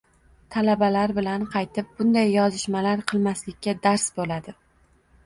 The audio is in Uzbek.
Talabalar bilan qaytib bunday yozishmalar qilmaslikka dars boʻladi.